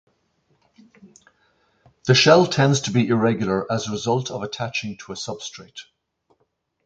The shell tends to be irregular as a result of attaching to a substrate.